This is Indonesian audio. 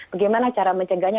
bagaimana cara mencegahnya